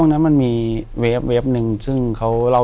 อยู่ที่แม่ศรีวิรัยิลครับ